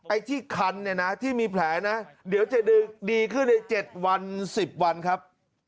ไอ้ที่คันเนี่ยนะที่มีแผลนะเดี๋ยวจะดีขึ้นใน๗วัน๑๐วันครับ